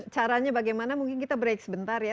caranya bagaimana mungkin kita break sebentar ya